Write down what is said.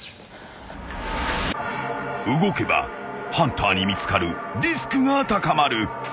［動けばハンターに見つかるリスクが高まる］